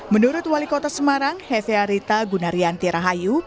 menurut wali kota semarang hefe arita gunaryanti rahayu